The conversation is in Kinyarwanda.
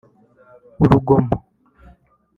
urugomo